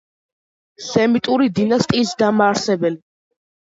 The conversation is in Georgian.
სემიტური დინასტიის დამაარსებელი.